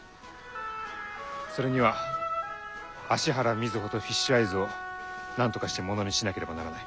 それには芦原瑞穂とフィッシュアイズをなんとかしてものにしなければならない。